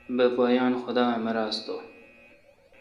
بہ پا یان خدا امر آس تہ۔